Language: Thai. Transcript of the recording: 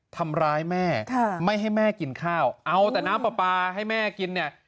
ทำร้ายแม่ไม่ให้แม่กินข้าวเอาแต่น้ำปลาปลาให้แม่กินเนี่ย